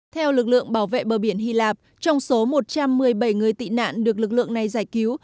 theo lực lượng bảo vệ bờ biển hy lạp trong số một trăm một mươi bảy người tị nạn được lực lượng này giải cứu